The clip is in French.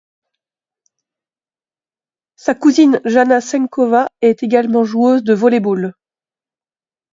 Sa cousine Jana Šenková est également joueuse de volley-ball.